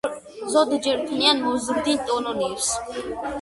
ზოგჯერ ქმნიან მოზრდილ კოლონიებს.